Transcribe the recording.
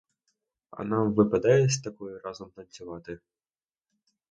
А нам випадає з такою разом танцювати?